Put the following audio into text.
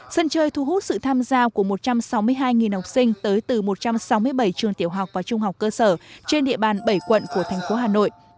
sân chơi thu hút sự tham gia của một trăm sáu mươi hai học sinh tới từ một trăm sáu mươi bảy trường tiểu học và trung học cơ sở trên địa bàn bảy quận của thành phố hà nội